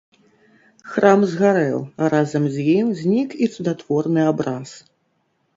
Храм згарэў, а разам з ім знік і цудатворны абраз.